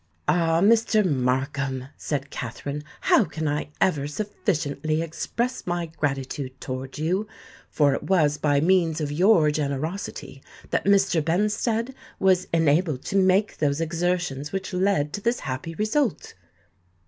"Ah! Mr. Markham," said Katherine, "how can I ever sufficiently express my gratitude towards you; for it was by means of your generosity that Mr. Benstead was enabled to make those exertions which led to this happy result."